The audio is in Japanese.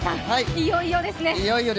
いよいよですね。